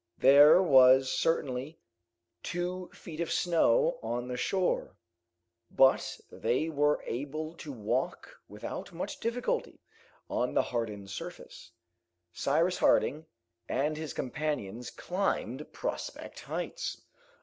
There was certainly two feet of snow on the shore, but they were able to walk without much difficulty on the hardened surface. Cyrus Harding and his companions climbed Prospect Heights.